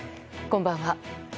こんばんは。